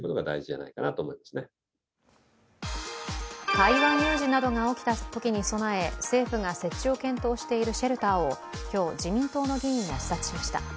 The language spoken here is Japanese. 台湾有事などが起きたときに備え政府が設置を検討しているシェルターを今日、自民党の議員が視察しました。